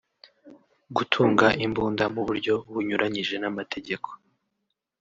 gutunga imbunda mu buryo bunyuranyije n’amategeko